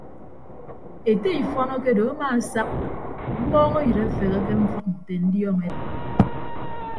Ete ifọn akedo amaasak mmọọñọyịd afeghe ke mfʌk nte ndiọñ edịm.